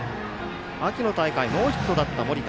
秋の大会ノーヒットだった盛田。